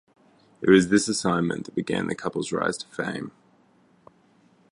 It was this assignment that began the couple's rise to fame.